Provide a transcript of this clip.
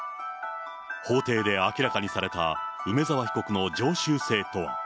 法廷で明らかにされた梅沢被告の常習性とは。